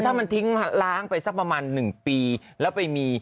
ถ้ามันทิ้งล้างไปสักประมาณ๑ปีแล้วไปมี